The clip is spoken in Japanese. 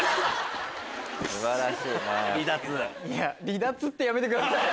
「離脱」ってやめてください